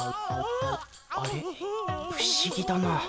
あれ不思議だな。